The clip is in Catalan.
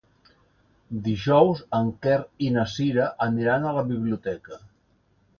Dijous en Quer i na Cira aniran a la biblioteca.